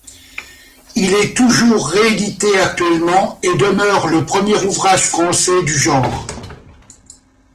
Il est toujours réédité actuellement et demeure le premier ouvrage français du genre.